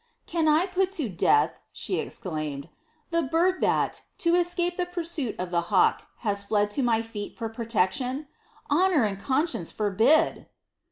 ''Can I put to death,'' she exclaimed, ^^ the bird that, to escape the pur suit of the hawk, has fled to my feet for protection ? Honour and con icience forbid